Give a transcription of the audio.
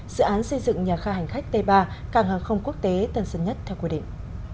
dự án xây dựng nhà ga hành khách t ba cảng hàng không quốc tế tân sơn nhất theo quy định